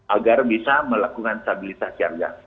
agar bisa melakukan stabilitas harga